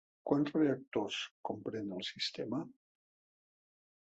Quants reactors comprèn el sistema?